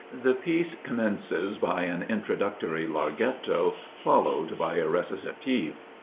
The piece commences by an introductory larghetto, followed by a recitative.